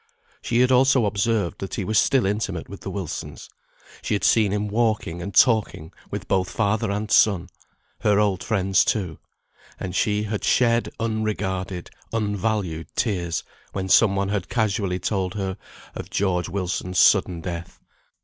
She had also observed that he was still intimate with the Wilsons. She had seen him walking and talking with both father and son; her old friends too; and she had shed unregarded, unvalued tears, when some one had casually told her of George Wilson's sudden death.